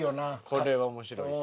これは面白いし。